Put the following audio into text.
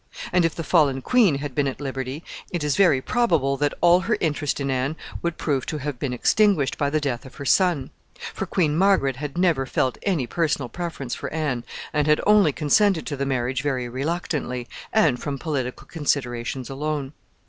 And if the fallen queen had been at liberty, it is very probable that all her interest in Anne would prove to have been extinguished by the death of her son; for Queen Margaret had never felt any personal preference for Anne, and had only consented to the marriage very reluctantly, and from political considerations alone.